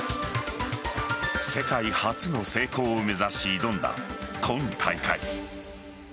世界初の成功を目指し挑んだ今大会。